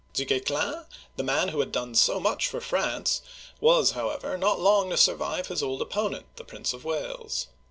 Du Guesclin, the man who had done so much for France, was, however, not long to survive his old opponent, the Prince of Wales.